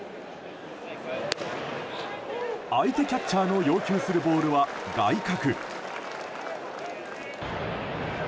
相手キャッチャーの要求するボールは外角。